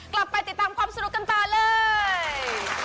กลับไปติดตามความสนุกกันต่อเลย